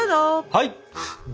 はい！